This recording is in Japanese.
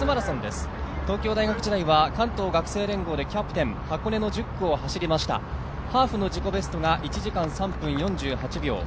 東京大学時代は関東学生連合でキャプテン箱根の１０区を走りましたハーフの自己ベストが１時間３分４８秒。